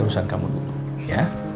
urusan kamu dulu ya